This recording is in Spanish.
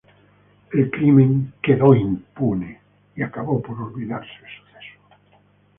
El crimen quedó impune y acabó por olvidarse el suceso.